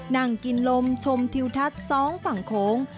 นั่งกินลมชมทิวทัศน์สองฝั่งโขง